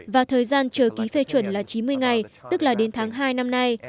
và thời gian chờ ký phê chuẩn là chín mươi ngày tức là đến tháng hai năm nay